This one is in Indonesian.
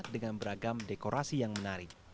dengan beragam dekorasi yang menarik